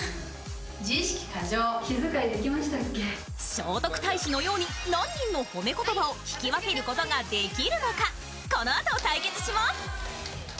聖徳太子のように何人の褒め言葉を聞き分けることができるのかこのあと対決します。